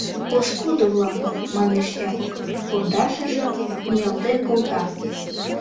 — Пошкудо-влак, — манеш Япык, пондашыжым ниялтен колта.